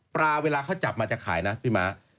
เวลาเขาจับมาจะขายนะพี่ม้า